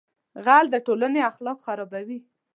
غل د ټولنې اخلاق خرابوي